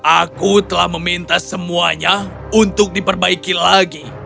aku telah meminta semuanya untuk diperbaiki lagi